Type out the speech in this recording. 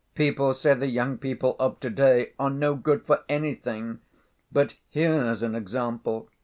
People say the young people of to‐day are no good for anything, but here's an example!"